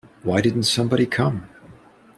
Why didn’t somebody come?